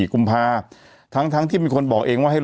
ที่มีมาอย่างยาวนานกี่ปีกี่ปีก็ยังไม่พัฒนา